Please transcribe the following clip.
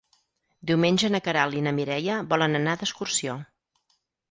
Diumenge na Queralt i na Mireia volen anar d'excursió.